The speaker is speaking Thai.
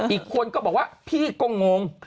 อีกคนก็บอกว่าพี่ก็งง